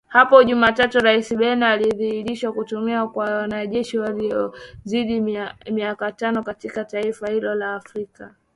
Hapo Jumatatu Raisi Biden aliidhinisha kutumwa kwa wanajeshi wasiozidi mia tano katika taifa hilo la Afrika mashariki